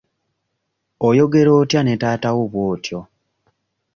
Oyogera otya ne taata wo bw'otyo?